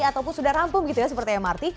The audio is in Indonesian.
ataupun sudah rampung gitu ya seperti mrt